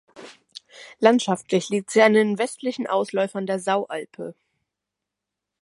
Landschaftlich liegt sie an den westlichen Ausläufern der Saualpe.